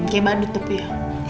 kayak badut tapi ya